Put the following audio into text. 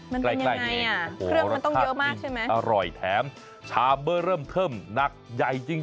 มันทำยังไงอร่อยแถมชาเบอร์เริ่มเทิมนักใหญ่จริง